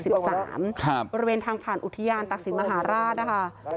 บริเวณทางผ่านอุทิยานตักศิษย์มหาราช